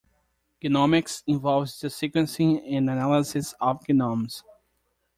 Genomics involves the sequencing and analysis of genomes.